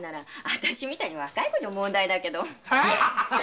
私みたい若い子なら問題だけど。